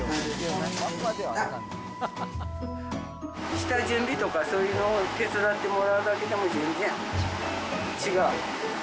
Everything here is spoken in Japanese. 下準備とか、そういうのを手伝ってもらうだけでも、全然違う。